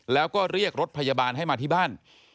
แล้วก็เรียกรถพยาบาลให้มาที่บ้าน